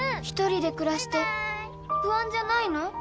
一人で暮らして不安じゃないの？